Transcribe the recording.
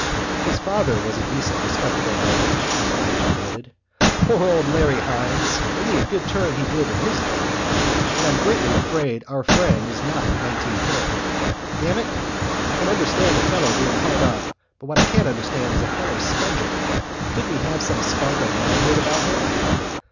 "His father was a decent respectable man," Mr Henchy admitted. "Poor old Larry Hynes! Many a good turn he did in his day! But I'm greatly afraid our friend is not nineteen carat. Damn it, I can understand a fellow being hard up, but what I can't understand is a fellow sponging. Couldn't he have some spark of manhood about him?"